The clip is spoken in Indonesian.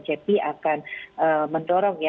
jepi akan mendorong